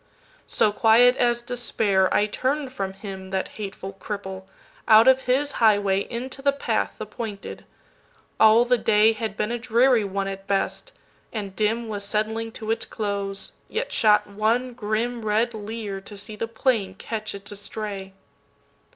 So, quiet as despair, I turn'd from him, That hateful cripple, out of his highwayInto the path the pointed. All the dayHad been a dreary one at best, and dimWas settling to its close, yet shot one grimRed leer to see the plain catch its estray.